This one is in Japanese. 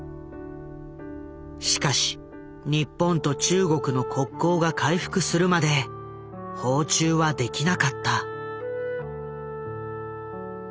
しかし日本と中国の国交が回復するまで訪中はできなかった。